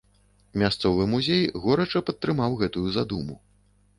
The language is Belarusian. Мясцовы музей горача падтрымаў гэтую задуму.